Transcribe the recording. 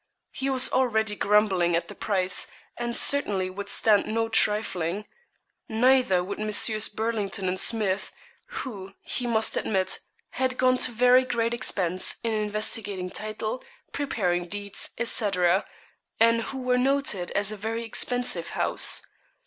He was already grumbling at the price, and certainly would stand no trifling. Neither would Messrs. Burlington and Smith, who, he must admit, had gone to very great expense in investigating title, preparing deeds, &c., and who were noted as a very expensive house.